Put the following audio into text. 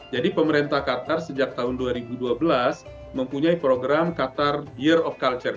jadi pemerintah qatar sejak tahun dua ribu dua belas mempunyai program qatar year of culture